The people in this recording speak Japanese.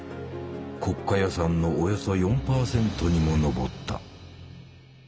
国家予算のおよそ４％にも上った。